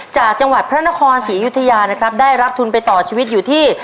จากจังหวัดพระนครศรียุธยานะครับได้รับทุนไปต่อชีวิตอยู่ที่